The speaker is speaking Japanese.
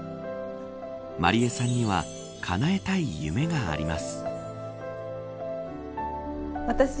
麻莉絵さんにはかなえたい夢があります。